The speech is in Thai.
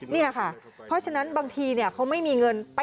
นี่ค่ะเพราะฉะนั้นบางทีเขาไม่มีเงิน